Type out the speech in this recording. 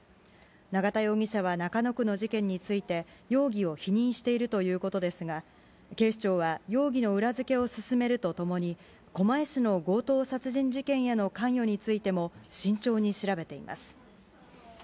永田容疑者は中野区の事件について、容疑を否認しているということですが、警視庁は、容疑の裏付けを進めるとともに、狛江市の強盗殺人事件への関与についても慎重に調べています。